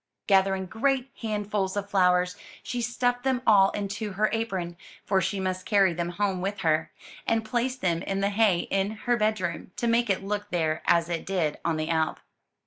Gathering great handfuls of flowers, she stuffed them all into her apron; for she must carry them home with her, and place them in the hay in her bedroom, to make it look there as it did on the Alp.